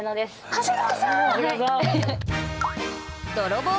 長谷川さん！